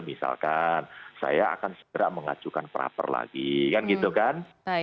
misalkan saya akan segera mengajukan pra perlainan